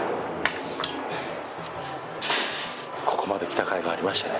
ここまで来たかいがありましたね